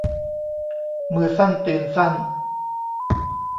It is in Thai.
มือสั้นตีนสั้น